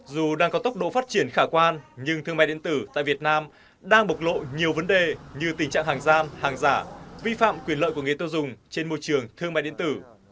dù đang có tốc độ phát triển khả quan nhưng thương mại điện tử tại việt nam đang bộc lộ nhiều vấn đề như tình trạng hàng giam hàng giả vi phạm quyền lợi của người tiêu dùng trên môi trường thương mại điện tử